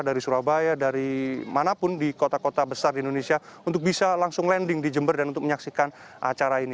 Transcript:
dari surabaya dari manapun di kota kota besar di indonesia untuk bisa langsung landing di jember dan untuk menyaksikan acara ini